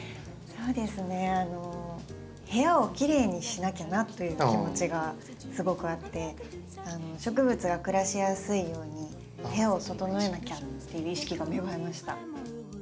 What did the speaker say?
そうですね部屋をきれいにしなきゃなという気持ちがすごくあって植物が暮らしやすいように部屋を整えなきゃっていう意識が芽生えました。